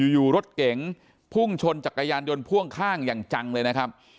อยู่รถเก๋งพุ่งชนจักรยานยนต์พ่วงข้างอย่างจังเลยนะครับ